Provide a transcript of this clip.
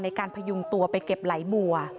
พยุงตัวไปเก็บไหลบัว